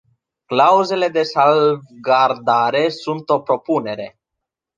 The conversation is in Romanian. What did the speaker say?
Clauzele de salvgardare sunt o propunere.